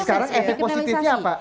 sekarang efek positifnya apa